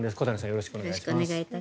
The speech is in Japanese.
よろしくお願いします。